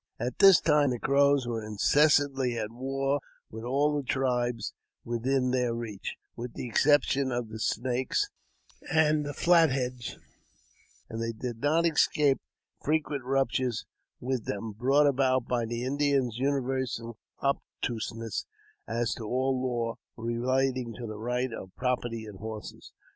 At this time the Crows were incessantly at war with all the tribes within their reach, with the exception of the Snakes and the Flat Heads; and they did not escape frequent ruptures with them, brought about by the Indian's universal obtuseness as to all law relating to the right of property in horses.